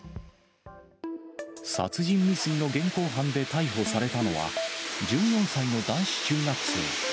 殺人未遂の現行犯で逮捕されたのは、１４歳の男子中学生。